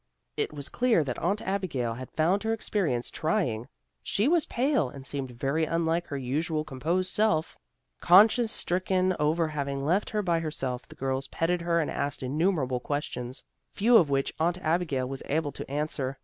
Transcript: It was clear that Aunt Abigail had found her experience trying. She was pale and seemed very unlike her usual composed self. Conscience stricken over having left her by herself, the girls petted her and asked innumerable questions, few of which Aunt Abigail was able to answer.